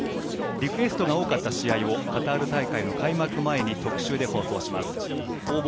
リクエストが多かった試合をカタール大会の開幕前に特集で放送します。